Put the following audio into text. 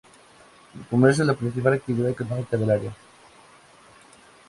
El comercio es la principal actividad económica del área.